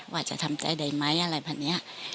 ว่าจะทำใจได้ไหมอะไรแบบนี้